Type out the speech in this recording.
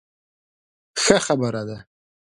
ښه خبره ده.